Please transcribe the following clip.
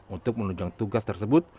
untuk menunjukkan tugas tersebut